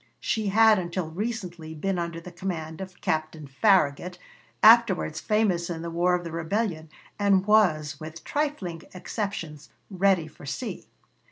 She had until recently been under the command of Captain Farragut, afterwards famous in the war of the rebellion, and was, with trifling exceptions, ready for sea.